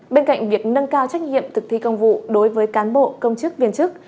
bên cạnh việc nâng cao trách nhiệm thực thi công vụ đối với cán bộ công chức viên chức